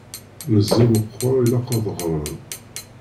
Meẓẓi meqqer, ilaq ad ɣren!